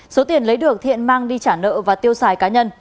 số tiền lấy được thiện mang đi trả nợ và tiêu xài cá nhân